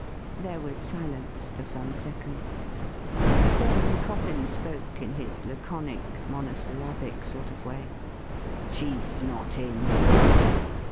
There was a silence for some seconds. Then Coffin spoke in his laconic, monosyllabic sort of way. ' Chief not in